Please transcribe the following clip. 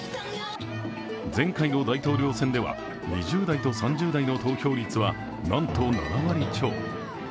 前回の大統領選では２０代と３０代の投票率はなんと７割超。